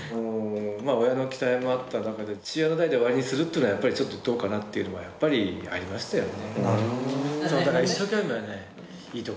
親の期待もあった中で父親の代で終わりにするっていうのはやっぱりちょっとどうかなっていうのはやっぱりありましたよね。